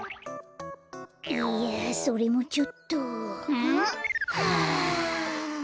いやあそれもちょっと。はあ。